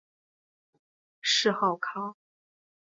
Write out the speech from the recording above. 谥号康。